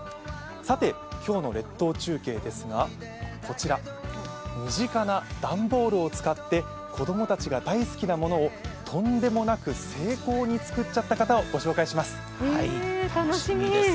さて今日の列島中継ですが、こちら身近な段ボールを使って子供たちが大好きなものをとんでもなく精巧に作っちゃった方をご紹介します。